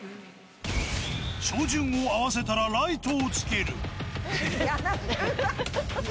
照準を合わせたら、ライトをつける。